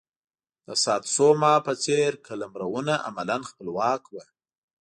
د ساتسوما په څېر قلمرونه عملا خپلواک وو.